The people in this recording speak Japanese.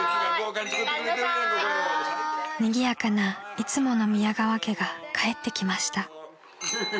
［にぎやかないつもの宮川家がかえってきました］